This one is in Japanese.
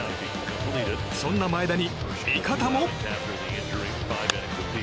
そんな前田に味方も。